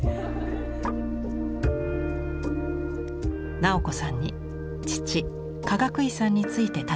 直子さんに父・かがくいさんについて尋ねました。